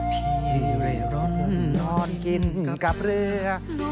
พี่เร่ร่อนนอนกินกับเรือ